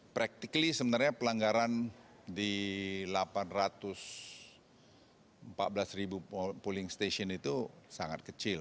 practically sebenarnya pelanggaran di delapan ratus empat belas ribu pooling station itu sangat kecil